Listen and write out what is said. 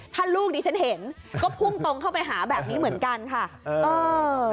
ถ้าลูกดิฉันเห็นก็พุ่งตรงเข้าไปหาแบบนี้เหมือนกันค่ะเออ